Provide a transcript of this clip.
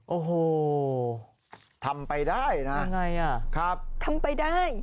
โอ้โหทำไปได้นะยังไงอ่ะครับทำไปได้